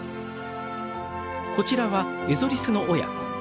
こちらはエゾリスの親子。